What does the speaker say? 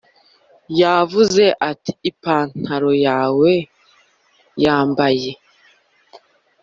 yavuze ati: "ipantaro yawe yambaye;